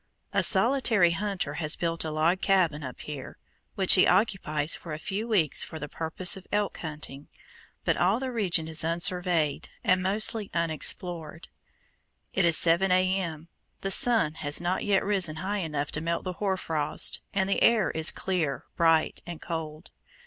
A solitary hunter has built a log cabin up here, which he occupies for a few weeks for the purpose of elk hunting, but all the region is unsurveyed, and mostly unexplored. It is 7 A.M. The sun has not yet risen high enough to melt the hoar frost, and the air is clear, bright, and cold.